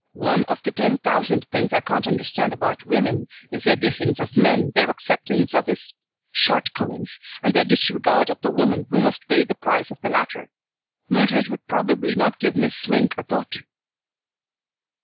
One of the ten thousand things I can't understand about women is their defense of men, their acceptance of his shortcomings, and their disregard of the woman who must pay the price of the latter. Mildred would probably not give Miss Swink a thought."